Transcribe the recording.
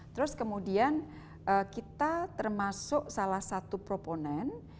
terus kemudian kita termasuk salah satu proponen